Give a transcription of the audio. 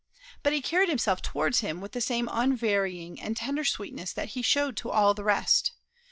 But he carried himself towards him with the same unvarying and tender sweetness that he showed to all the rest.